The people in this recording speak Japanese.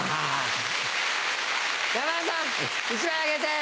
山田さん１枚あげて。